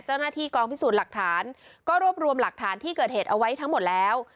เจ้าหน้าที่กองพิสูจน์หลักฐานก็รวบรวมหลักฐานที่เกิดเหตุเอาไว้ทั้งหมดแล้ว